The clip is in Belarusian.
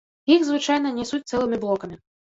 Іх звычайна нясуць цэлымі блокамі.